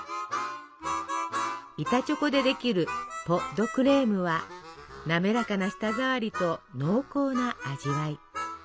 板チョコでできるポ・ド・クレームは滑らかな舌ざわりと濃厚な味わい。